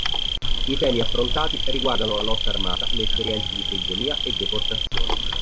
I temi affrontati riguardano la lotta armata, le esperienze di prigionia e deportazione.